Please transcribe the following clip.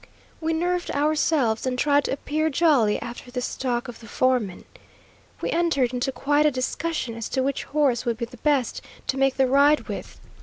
We nerved ourselves and tried to appear jolly after this talk of the foreman. We entered into quite a discussion as to which horse would be the best to make the ride with.